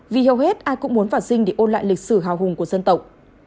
vì hầu hết ai cũng muốn vào dinh để ôn lại lịch sử hào hùng của dân tộc